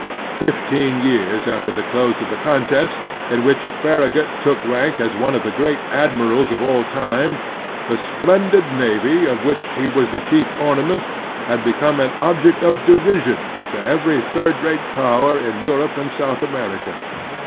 Fif teen years after the close of the contest in which i68 The Strenuous Life Farragut took rank as one of the great admirals of all time, the splendid navy of which he was the chief ornament had become an object of derision to every third rate power in Europe and South America.